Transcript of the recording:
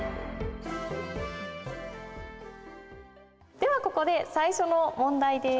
ではここで最初の問題です。